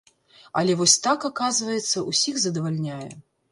Але вось так, аказваецца, усіх задавальняе.